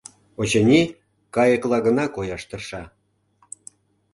Очыни, кайыкла гына кояш тырша...